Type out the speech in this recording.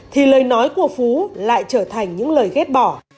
thì lời nói của phú lại trở thành những lời ghét bỏ